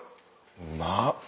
うまっ。